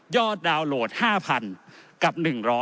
ดาวน์โหลด๕๐๐๐กับ๑๐๐